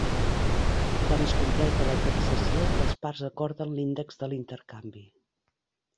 Quan es completa la taxació, les parts acorden l'índex de l'intercanvi.